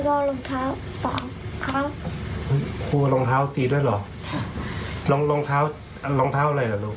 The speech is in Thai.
สองครั้งครูรองเท้าตีด้วยหรอรองเท้ารองเท้าอะไรหรอลูก